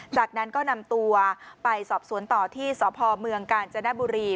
จากนั้นก็นำตัวไปสอบสวนต่อที่สพเมืองกาญจนบุรี